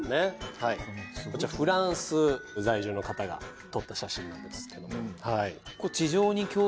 こちらフランス在住の方が撮った写真なんですけども。